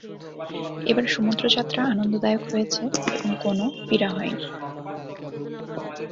এবার সমুদ্রযাত্রা আনন্দদায়ক হয়েছে এবং কোন পীড়া হয়নি।